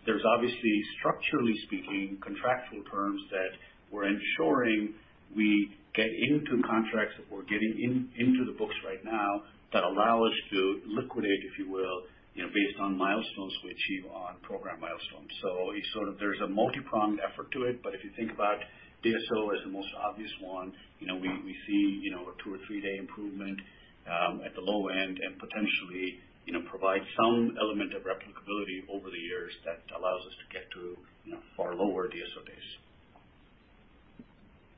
There's obviously, structurally speaking, contractual terms that we're ensuring we get into contracts that we're getting into the books right now that allow us to liquidate, if you will, you know, based on milestones we achieve on program milestones. It's sort of a multi-pronged effort to it. If you think about DSO as the most obvious one, you know, we see, you know, a 2- or 3-day improvement at the low end and potentially, you know, provide some element of replicability over the years that allows us to get to, you know, far lower DSO days.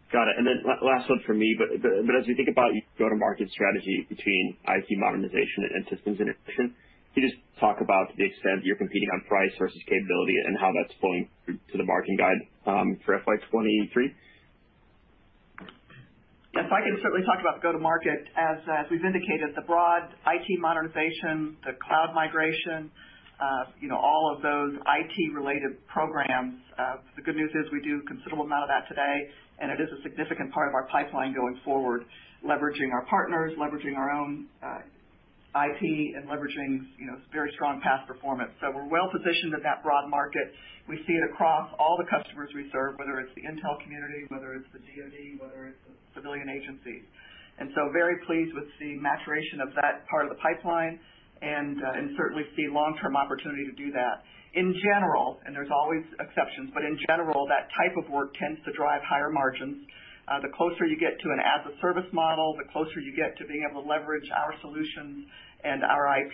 Got it. Last one for me. As we think about go-to-market strategy between IT modernization and systems integration, can you just talk about the extent you're competing on price versus capability and how that's flowing to the margin guide for FY 2023? Yeah. If I can certainly talk about go to market. As we've indicated, the broad IT modernization, the cloud migration, you know, all of those IT related programs, the good news is we do a considerable amount of that today, and it is a significant part of our pipeline going forward, leveraging our partners, leveraging our own IP and leveraging, you know, very strong past performance. We're well positioned in that broad market. We see it across all the customers we serve, whether it's the intelligence community, whether it's the DoD, whether it's the civilian agencies. Very pleased with the maturation of that part of the pipeline and certainly see long-term opportunity to do that. In general, and there's always exceptions, but in general, that type of work tends to drive higher margins. The closer you get to an as-a-service model, the closer you get to being able to leverage our solutions and our IP.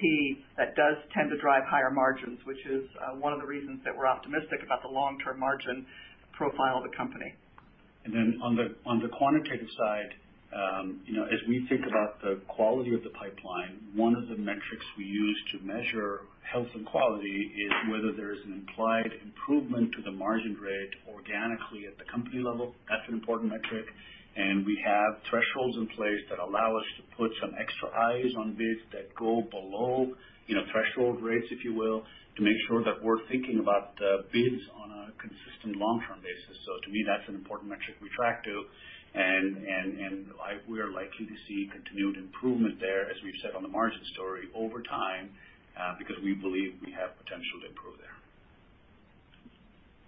That does tend to drive higher margins, which is one of the reasons that we're optimistic about the long-term margin profile of the company. On the quantitative side, you know, as we think about the quality of the pipeline, one of the metrics we use to measure health and quality is whether there is an implied improvement to the margin rate organically at the company level. That's an important metric. We have thresholds in place that allow us to put some extra eyes on bids that go below, you know, threshold rates, if you will, to make sure that we're thinking about the bids on a consistent long-term basis. To me, that's an important metric we track to. We are likely to see continued improvement there, as we've said on the margin story, over time, because we believe we have potential to improve there.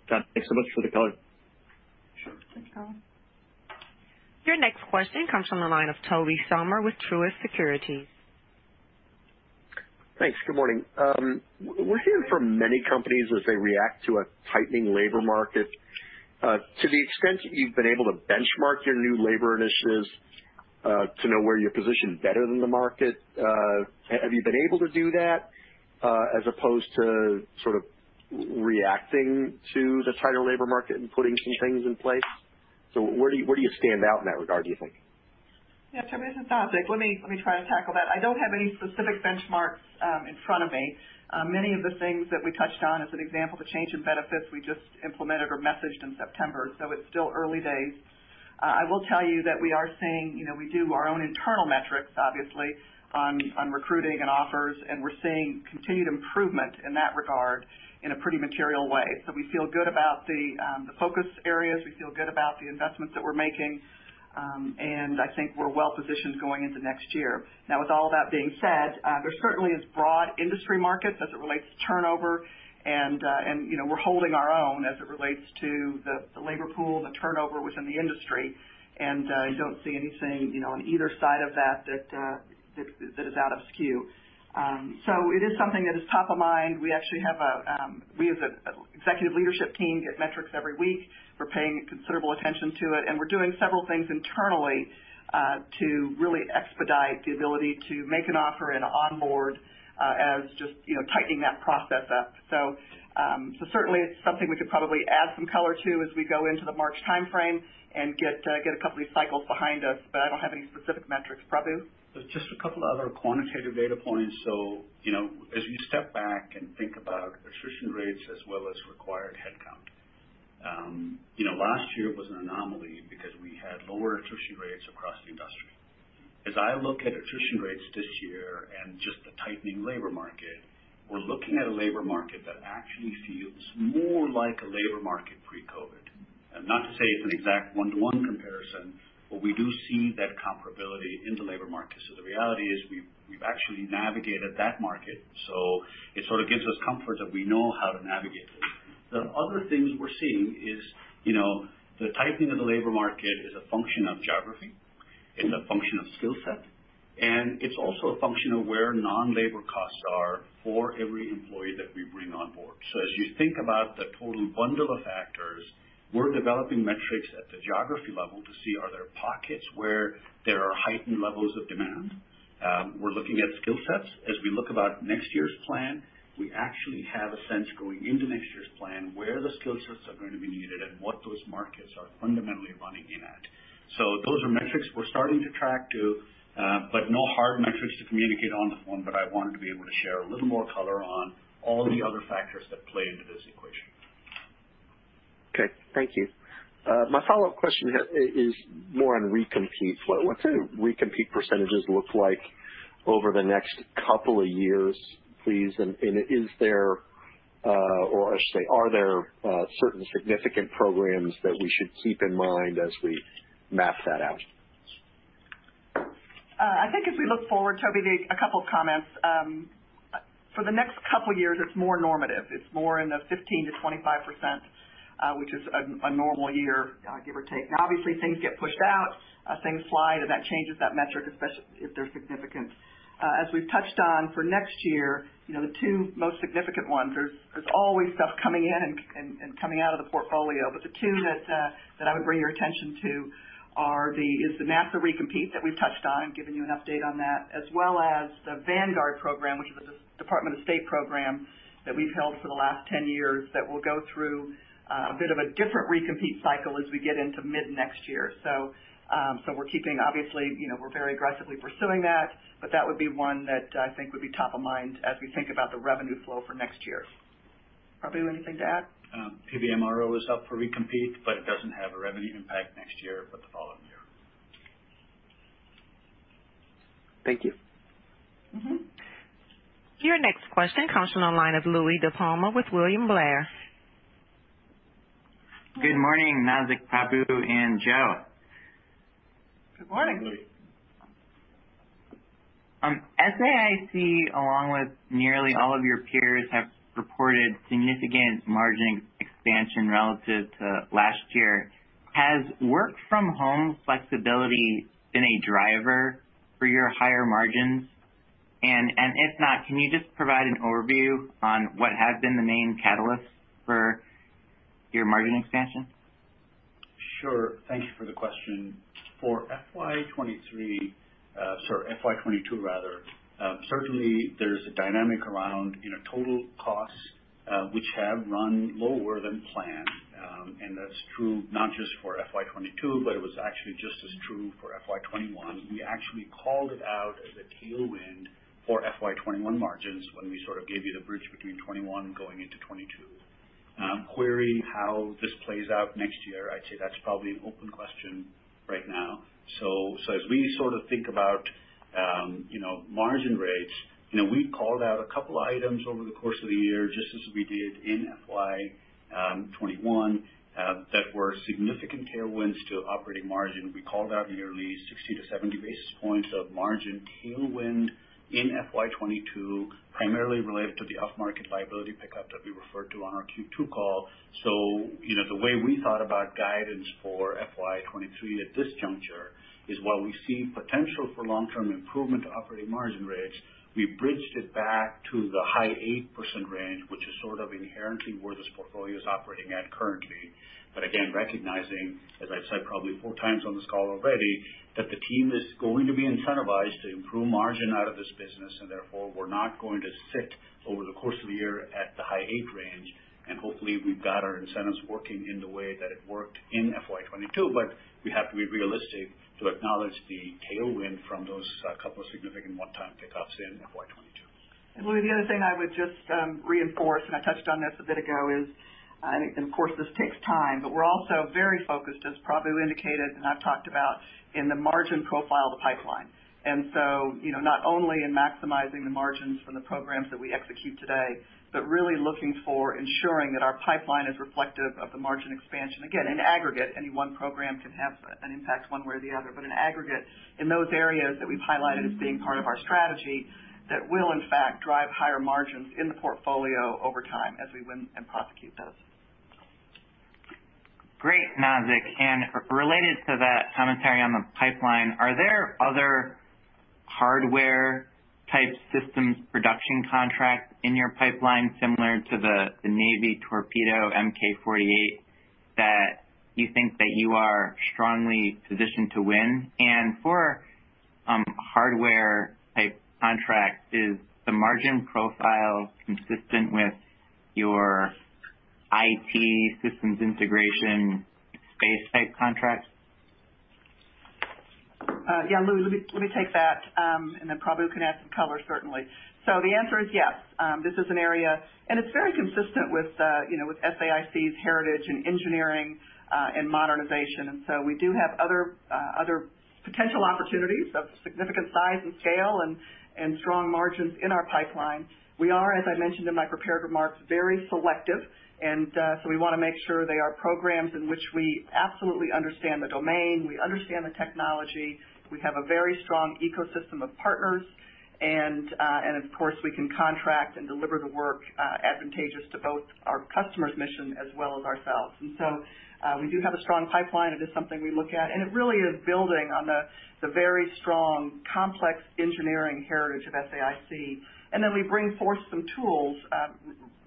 John, thanks so much for the color. Sure. Thanks. Thanks. Your next question comes from the line of Tobey Sommer with Truist Securities. Thanks. Good morning. We're hearing from many companies as they react to a tightening labor market. To the extent you've been able to benchmark your new labor initiatives, to know where you're positioned better than the market, have you been able to do that, as opposed to sort of reacting to the tighter labor market and putting some things in place? Where do you stand out in that regard, do you think? Yeah. Tobey, this is Nazzic Keene. Let me try to tackle that. I don't have any specific benchmarks in front of me. Many of the things that we touched on, as an example, the change in benefits we just implemented or messaged in September, so it's still early days. I will tell you that we are seeing, you know, we do our own internal metrics, obviously, on recruiting and offers, and we're seeing continued improvement in that regard in a pretty material way. So we feel good about the focus areas. We feel good about the investments that we're making. I think we're well positioned going into next year. Now with all that being said, there certainly is broad industry markets as it relates to turnover and, you know, we're holding our own as it relates to the labor pool and the turnover within the industry. You don't see anything, you know, on either side of that that is out of skew. It is something that is top of mind. We actually have a, we as a executive leadership team get metrics every week. We're paying considerable attention to it, and we're doing several things internally to really expedite the ability to make an offer and onboard, as just, you know, tightening that process up. Certainly it's something we could probably add some color to as we go into the March timeframe and get a couple of these cycles behind us. I don't have any specific metrics. Prabu? Just a couple other quantitative data points. You know, as you step back and think about attrition rates as well as required headcount, you know, last year was an anomaly because we had lower attrition rates across the industry. As I look at attrition rates this year and just the tightening labor market, we're looking at a labor market that actually feels more like a labor market pre-COVID. Not to say it's an exact one-to-one comparison, but we do see that comparability in the labor market. The reality is we've actually navigated that market, so it sort of gives us comfort that we know how to navigate this. The other things we're seeing is, you know, the tightening of the labor market is a function of geography, it's a function of skill set, and it's also a function of where non-labor costs are for every employee that we bring on board. As you think about the total bundle of factors, we're developing metrics at the geography level to see are there pockets where there are heightened levels of demand. We're looking at skill sets. As we look at next year's plan, we actually have a sense going into next year's plan, where the skill sets are going to be needed and what those markets are fundamentally running at. Those are metrics we're starting to track, too, but no hard metrics to communicate on the phone. I wanted to be able to share a little more color on all the other factors that play into this equation. Okay. Thank you. My follow-up question is more on recompete. What do recompete percentages look like over the next couple of years, please? Is there, or I should say, are there certain significant programs that we should keep in mind as we map that out? I think as we look forward, Toby, a couple of comments. For the next couple of years, it's more normative. It's more in the 15%-25%, which is a normal year, give or take. Now obviously, things get pushed out, things slide, and that changes that metric, especially if they're significant. As we've touched on for next year, you know, the two most significant ones, there's always stuff coming in and coming out of the portfolio. The two that I would bring your attention to is the NASA recompete that we've touched on and given you an update on that, as well as the Vanguard program, which is a Department of State program that we've held for the last 10 years, that will go through a bit of a different recompete cycle as we get into mid-next year. We're keeping obviously, you know, we're very aggressively pursuing that, but that would be one that I think would be top of mind as we think about the revenue flow for next year. Prabu, anything to add? PBMRO is up for recompete, but it doesn't have a revenue impact next year, but the following year. Thank you. Mm-hmm. Your next question comes from the line of Louie DiPalma with William Blair. Good morning, Nazzic, Prabu, and Joe. Good morning. Good morning. SAIC, along with nearly all of your peers, have reported significant margin expansion relative to last year. Has work from home flexibility been a driver for your higher margins? If not, can you just provide an overview on what have been the main catalysts for your margin expansion? Sure. Thank you for the question. For FY 2022 rather, certainly there's a dynamic around, you know, total costs, which have run lower than planned. That's true not just for FY 2022, but it was actually just as true for FY 2021. We actually called it out as a tailwind for FY 2021 margins when we sort of gave you the bridge between 2021 going into 2022. Query how this plays out next year, I'd say that's probably an open question right now. As we sort of think about, you know, margin rates, you know, we called out a couple items over the course of the year, just as we did in FY 2021, that were significant tailwinds to operating margin. We called out nearly 60-70 basis points of margin tailwind in FY 2022, primarily related to the off-market liability pickup that we referred to on our Q2 call. You know, the way we thought about guidance for FY 2023 at this juncture is while we see potential for long-term improvement to operating margin rates, we bridged it back to the high 8% range, which is sort of inherently where this portfolio is operating at currently. Again, recognizing, as I've said probably four times on this call already, that the team is going to be incentivized to improve margin out of this business, and therefore, we're not going to sit over the course of the year at the high 8 range. Hopefully we've got our incentives working in the way that it worked in FY 2022, but we have to be realistic to acknowledge the tailwind from those couple of significant one-time pickups in FY 2022. Louie, the other thing I would just reinforce, and I touched on this a bit ago, is, and of course, this takes time, but we're also very focused, as Prabu indicated and I've talked about, in the margin profile of the pipeline. You know, not only in maximizing the margins from the programs that we execute today, but really looking for ensuring that our pipeline is reflective of the margin expansion. Again, in aggregate, any one program can have an impact one way or the other. In aggregate, in those areas that we've highlighted as being part of our strategy, that will in fact drive higher margins in the portfolio over time as we win and prosecute those. Great, Nazzic. Related to that commentary on the pipeline, are there other hardware type systems production contracts in your pipeline similar to the Navy Torpedo Mark 48 that you think that you are strongly positioned to win? For hardware type contracts, is the margin profile consistent with your IT systems integration space type contracts? Yeah, Louie, let me take that, and then Prabu can add some color, certainly. The answer is yes. This is an area, and it's very consistent with, you know, with SAIC's heritage in engineering, and modernization. We do have other potential opportunities of significant size and scale and strong margins in our pipeline. We are, as I mentioned in my prepared remarks, very selective, and so we wanna make sure they are programs in which we absolutely understand the domain, we understand the technology, we have a very strong ecosystem of partners, and of course, we can contract and deliver the work advantageous to both our customers' mission as well as ourselves. We do have a strong pipeline. It is something we look at, and it really is building on the very strong, complex engineering heritage of SAIC. We bring forth some tools,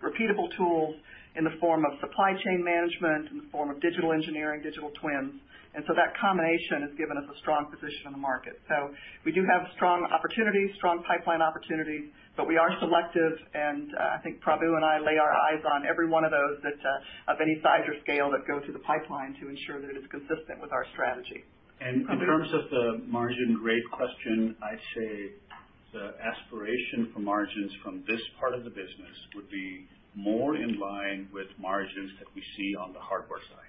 repeatable tools in the form of supply chain management, in the form of digital engineering, digital twins. That combination has given us a strong position in the market. We do have strong opportunities, strong pipeline opportunities, but we are selective, and I think Prabu and I lay our eyes on every one of those that of any size or scale that go through the pipeline to ensure that it is consistent with our strategy. In terms of the margin rate question, I'd say the aspiration for margins from this part of the business would be more in line with margins that we see on the hardware side.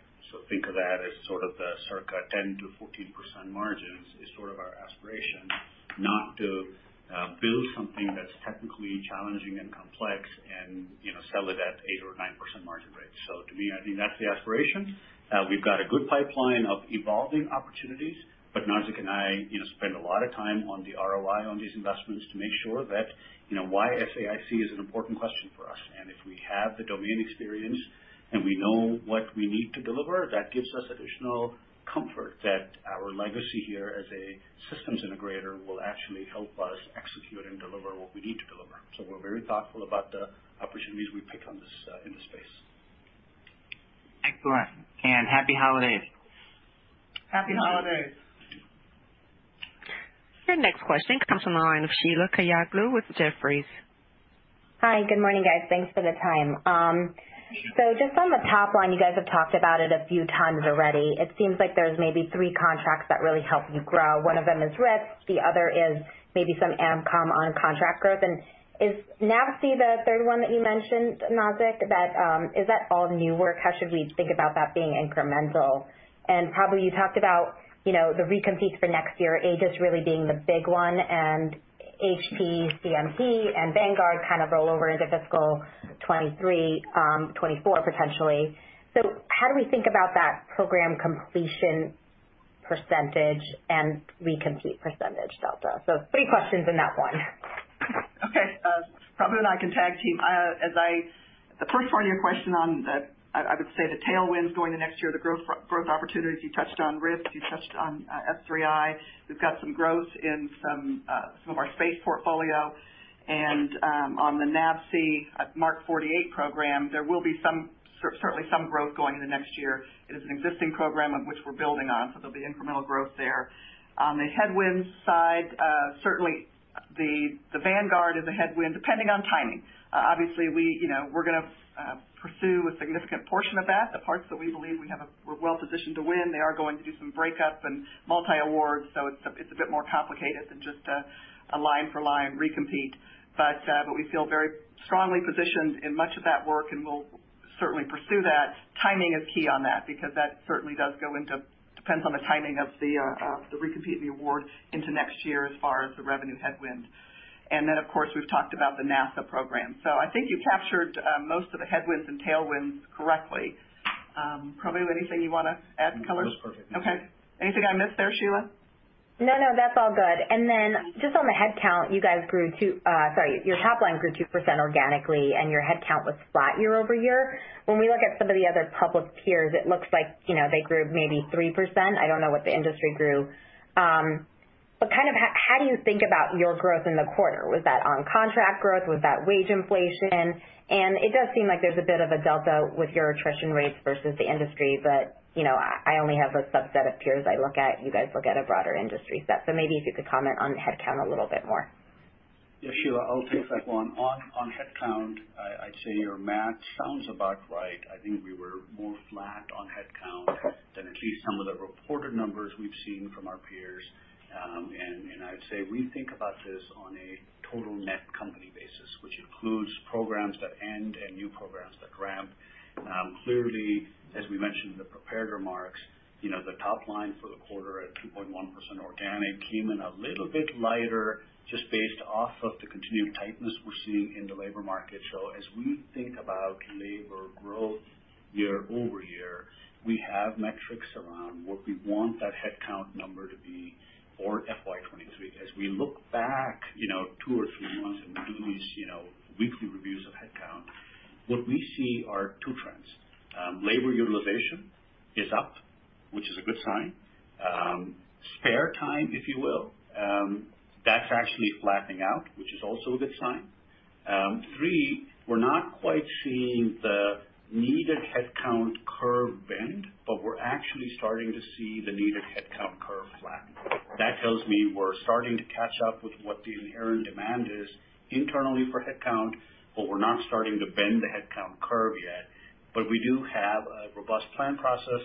Think of that as sort of the circa 10%-14% margins is sort of our aspiration. Not to build something that's technically challenging and complex and, you know, sell it at 8% or 9% margin rates. To me, I think that's the aspiration. We've got a good pipeline of evolving opportunities, but Nazzic and I, you know, spend a lot of time on the ROI on these investments to make sure that, you know, why SAIC is an important question for us. If we have the domain experience and we know what we need to deliver, that gives us additional comfort that our legacy here as a systems integrator will actually help us execute and deliver what we need to deliver. We're very thoughtful about the opportunities we pick on this, in this space. Excellent. Happy Holidays. Happy Holidays. Your next question comes from the line of Sheila Kahyaoglu with Jefferies. Hi. Good morning, guys. Thanks for the time. Just on the top line, you guys have talked about it a few times already. It seems like there's maybe three contracts that really help you grow. One of them is RIS, the other is maybe some AMCOM on contract growth. Is NAVSEA the third one that you mentioned, Nazzic? That is that all new work? How should we think about that being incremental? Prabu, you talked about, you know, the recompetes for next year, Aegis really being the big one and HP CMC and Vanguard kind of roll over into fiscal 2023, 2024 potentially. How do we think about that program completion percentage and recompete percentage delta. Three questions in that one. Okay. Prabu and I can tag team. I would say the tailwinds going into next year, the growth opportunities, you touched on risk, S3I. We've got some growth in some of our space portfolio. On the NAVSEA Mark 48 program, there will be certainly some growth going into next year. It is an existing program of which we're building on, so there'll be incremental growth there. On the headwinds side, certainly the Vanguard is a headwind, depending on timing. Obviously we, you know, we're gonna pursue a significant portion of that. The parts that we believe we're well positioned to win, they are going to do some breakups and multi-awards, so it's a bit more complicated than just a line-for-line recompete. We feel very strongly positioned in much of that work, and we'll certainly pursue that. Timing is key on that because that certainly does go into depends on the timing of the recompete of the award into next year as far as the revenue headwind. Of course, we've talked about the NASA program. I think you captured most of the headwinds and tailwinds correctly. Prabu, anything you wanna add in color? No, that was perfect. Thank you. Okay. Anything I missed there, Sheila? No, no, that's all good. Just on the headcount, your top line grew 2% organically and your headcount was flat year-over-year. When we look at some of the other public peers, it looks like, you know, they grew maybe 3%. I don't know what the industry grew. But kind of how do you think about your growth in the quarter? Was that on contract growth? Was that wage inflation? And it does seem like there's a bit of a delta with your attrition rates versus the industry, but, you know, I only have a subset of peers I look at. You guys look at a broader industry set. Maybe if you could comment on headcount a little bit more. Yeah, Sheila, I'll take that one. On headcount, I'd say your math sounds about right. I think we were more flat on headcount than at least some of the reported numbers we've seen from our peers. And I'd say we think about this on a total net company basis, which includes programs that end and new programs that ramp. Clearly, as we mentioned in the prepared remarks, you know, the top line for the quarter at 2.1% organic came in a little bit lighter just based off of the continued tightness we're seeing in the labor market. As we think about labor growth year over year, we have metrics around what we want that headcount number to be for FY 2023. As we look back, you know, two or three months and do these, you know, weekly reviews of headcount, what we see are two trends. Labor utilization is up, which is a good sign. Spare time, if you will, that's actually flattening out, which is also a good sign. Three, we're not quite seeing the needed headcount curve bend, but we're actually starting to see the needed headcount curve flatten. That tells me we're starting to catch up with what the inherent demand is internally for headcount, but we're not starting to bend the headcount curve yet. We do have a robust plan process,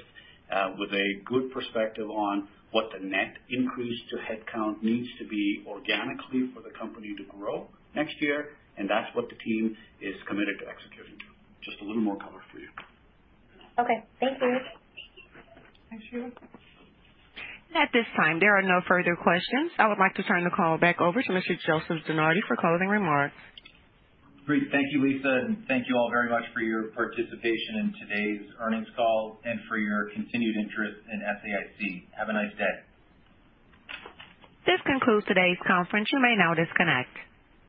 with a good perspective on what the net increase to headcount needs to be organically for the company to grow next year, and that's what the team is committed to executing. Just a little more color for you. Okay. Thanks, Prabu. Thanks, Sheila. At this time, there are no further questions. I would like to turn the call back over to Mr. Joseph DeNardi for closing remarks. Great. Thank you, Sheila, and thank you all very much for your participation in today's earnings call and for your continued interest in SAIC. Have a nice day. This concludes today's conference. You may now disconnect.